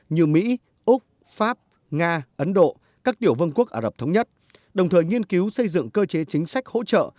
như mỹ úc pháp nga ấn độ các tiểu vương quốc ả rập thống nhất đồng thời nghiên cứu xây dựng cơ chế chính sách hỗ trợ